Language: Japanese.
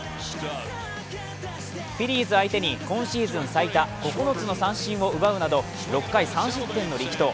フィリーズ相手に今シーズン最多９つの三振を奪うなど、６回３失点の激闘。